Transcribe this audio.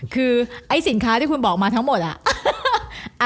คือไอ้สินค้าที่คุณบอกมาทั้งหมดอ่ะ